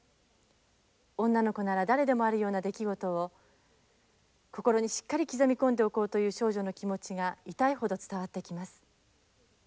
女の子なら誰でもあるような出来事を心にしっかり刻み込んでおこうという少女の気持ちが痛いほど伝わってきます。